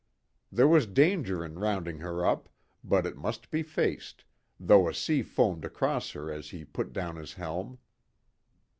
There was danger in rounding her up, but it must be faced, though a sea foamed across her as he put down his helm.